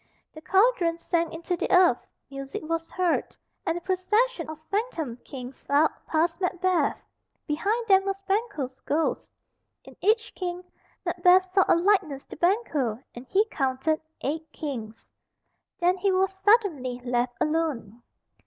The cauldron sank into the earth; music was heard, and a procession of phantom kings filed past Macbeth; behind them was Banquo's ghost. In each king, Macbeth saw a likeness to Banquo, and he counted eight kings. Then he was suddenly left alone.